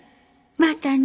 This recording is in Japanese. またね。